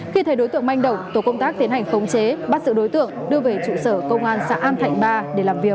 khi thấy đối tượng manh động tổ công tác tiến hành khống chế bắt giữ đối tượng đưa về trụ sở công an xã an thạnh ba để làm việc